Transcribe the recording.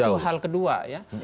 itu hal kedua ya